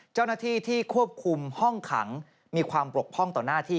เจ้าหน้าที่ที่ควบคุมห้องขังมีความปกพร่องต่อหน้าที่